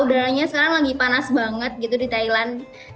udara nya sekarang lagi panas banget gitu di thailand